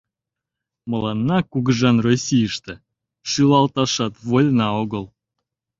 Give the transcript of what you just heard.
Мыланна кугыжан Российыште шӱлалташат вольна огыл.